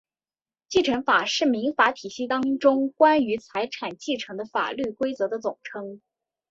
继承法是民法体系当中关于财产继承的法律规则的总称。